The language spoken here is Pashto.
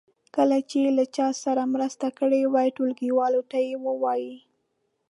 چې کله یې له چا سره مرسته کړې وي ټولګیوالو ته یې ووایي.